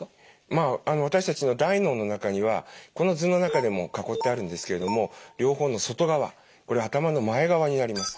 私たちの大脳の中にはこの図の中でも囲ってあるんですけれども両方の外側これ頭の前側になります。